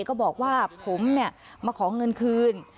ก็บอกว่าผมมาขอเงินคืน